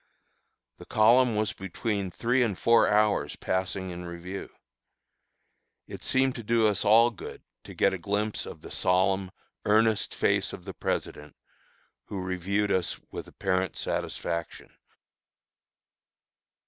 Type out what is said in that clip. The column was between three and four hours passing in review. It seemed to do us all good to get a glimpse of the solemn, earnest face of the President, who reviewed us with apparent satisfaction.